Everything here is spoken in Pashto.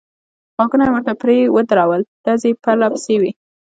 غوږونه مې ورته پرې ودرول، ډزې پرله پسې وې.